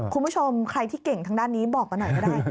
คุณผู้ชมใครที่เก่งทางด้านนี้บอกมาหน่อยก็ได้